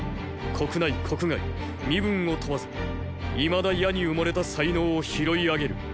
国内国外・身分を問わず未だ野にうもれた才能を拾い上げる。